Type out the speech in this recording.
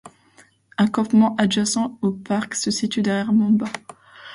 Un campement adjacent au parc, situé derrière Mamba.